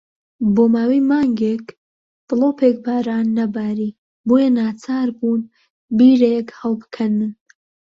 بۆ ماوەی مانگێک دڵۆپێک باران نەباری، بۆیە ناچار بوون بیرێک هەڵبکەنن.